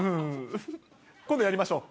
今度やりましょう。